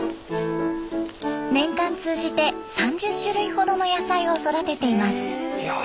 年間通じて３０種類ほどの野菜を育てています。